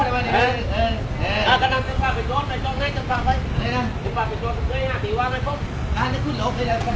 แล้วก็นำเต็มภาพไปโจทย์ไม่ต้องให้เต็มภาพไว้